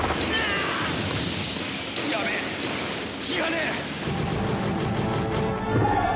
やべえ隙がねえ！